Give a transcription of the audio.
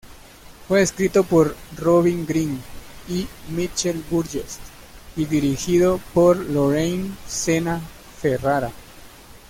Fue escrito por Robin Green y Mitchell Burgess, y dirigido por Lorraine Senna Ferrara.